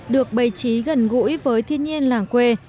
được bày trí gần gũi với thiên nhiên làng quê